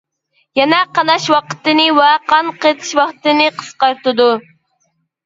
يەنە قاناش ۋاقتىنى ۋە قان قېتىش ۋاقتىنى قىسقارتىدۇ.